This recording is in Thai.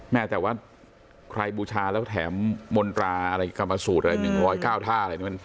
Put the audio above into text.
แม่แต่ว่าใครบูชาแล้วแถมมนตราอะไรกรรมสูตรอะไร๑๐๙ท่าอะไรเนี่ย